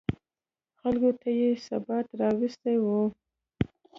خلکو ته یې ثبات راوستی و.